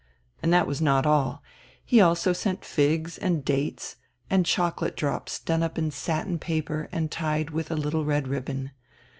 And that was not all. He also sent figs and dates, and chocolate drops done up in satin paper and tied with a little red ribbon.